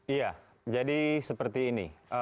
iya jadi seperti ini